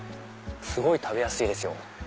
すごい食べやすいですよ。